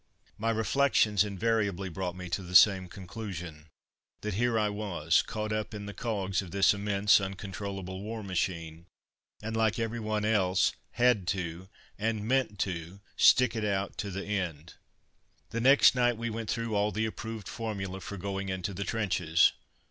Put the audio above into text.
My reflections invariably brought me to the same conclusion, that here I was, caught up in the cogs of this immense, uncontrollable war machine, and like every one else, had to, and meant to stick it out to the end. The next night we went through all the approved formula for going into the trenches.